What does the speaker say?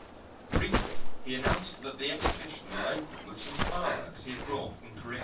Briefly he announced that the exhibition would open with some fireworks he had brought from Corea.